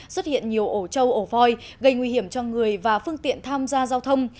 xuất hiện nhiều ổ trâu ổ voi gây nguy hiểm cho người và phương tiện tham gia giao thông